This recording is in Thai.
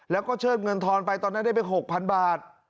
แล้วก็เชิดเงินทอนไปตอนนั้นได้ไป๖๐๐๐บาท